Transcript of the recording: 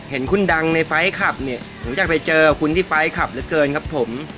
เห็นคุณดังในไฟล์คลับเนี่ยผมอยากไปเจอคุณที่ไฟล์ขับเหลือเกินครับผม